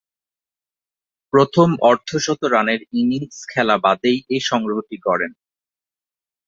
প্রথম অর্ধ-শতরানের ইনিংস খেলা বাদেই এ সংগ্রহটি গড়েন।